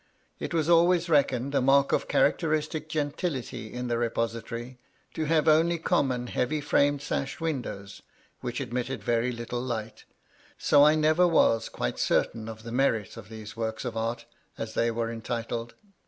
It was always reckoned a mark of characteristic gentility in the 206 MT LABT LUDLOW. repository, to IiaTe only common heayy framed sash windows, which admitted very little light, so I never was quite certain of the merit of these Works of Art as they were entitled.